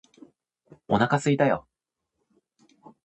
お腹すいたよ！！！！！